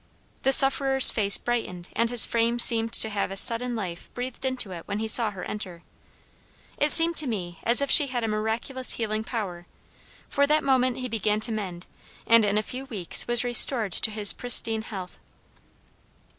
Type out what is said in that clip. The sufferer's face brightened and his frame seemed to have a sudden life breathed into it when he saw her enter. It seemed to me as if she had a miraculous healing power, for that moment he began to mend, and in a few weeks was restored to his pristine health."